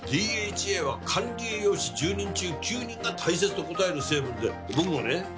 ＤＨＡは管理栄養士１０人中９人が大切と答える成分で僕もね